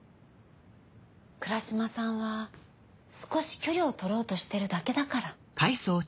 倉嶋さんは少し距離を取ろうとしてるだけだから。